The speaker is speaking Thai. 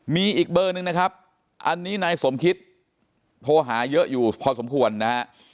มีอีกเบอร์หนึ่งนะครับอันนี้นายสมคิตโทรหาเยอะอยู่พอสมควรนะฮะ